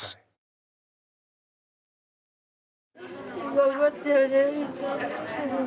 頑張ってるね。